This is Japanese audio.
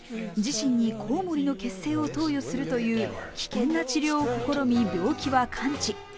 自身にコウモリの血清を投与するという危険な治療を試み、病気は完治。